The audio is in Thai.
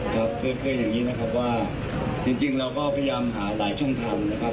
ครับคืออย่างนี้นะครับว่าจริงเราก็พยายามหาหลายช่องทางนะครับ